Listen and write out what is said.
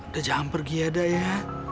da jangan pergi ya da ya